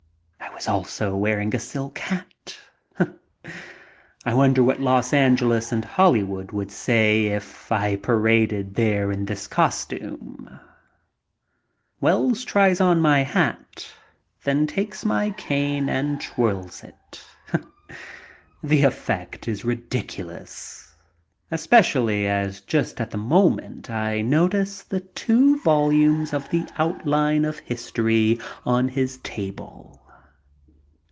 I was also wearing a silk hat. I wonder what Los Angeles and Holly wood would say if I paraded there in this costume ? Wells tries on my hat, then takes my cane and twirls it. The effect is ridiculous, especially as just at the moment I notice the two yolumes of the Outline of History on his .table.